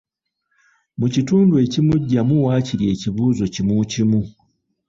Mu kitundu ekimu ggyamu waakiri ekibuuzo kimu kimu.